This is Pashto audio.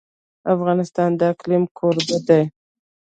افغانستان د اقلیم کوربه دی.